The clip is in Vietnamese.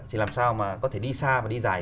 thì làm sao mà có thể đi xa và đi dài